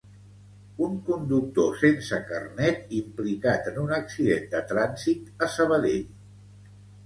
Un conductor sense carnet, implicat en un accident de trànsit a Sabadell